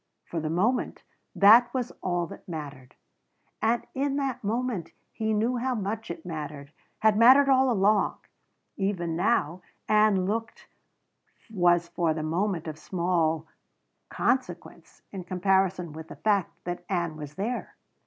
For the moment that was all that mattered. And in that moment he knew how much it mattered had mattered all along. Even how Ann looked was for the moment of small consequence in comparison with the fact that Ann was there.